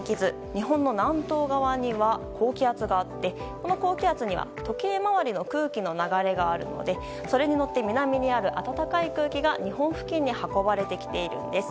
日本の南東側には高気圧があってこの高気圧には時計回りの空気の流れがあるのでそれに乗って南にある暖かい空気が日本付近に運ばれているためです。